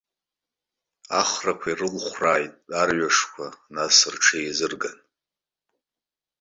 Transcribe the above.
Ахрақәа ирылхәрааит арҩашқәа нас, рҽеизырган.